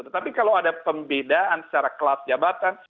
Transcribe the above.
tetapi kalau ada pembedaan secara kelas jabatan